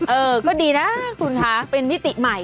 เออก็ดีนะคุณคะเป็นมิติใหม่